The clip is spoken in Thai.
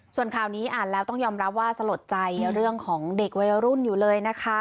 ส่วนข่าวนี้อ่านแล้วต้องยอมรับว่าสลดใจเรื่องของเด็กวัยรุ่นอยู่เลยนะคะ